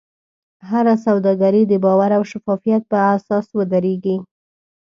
هره سوداګري د باور او شفافیت په اساس ودریږي.